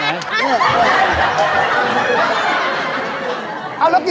อาหารการกิน